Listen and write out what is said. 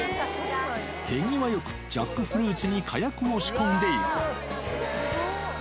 手際よくジャックフルーツに火薬を仕込んでいく。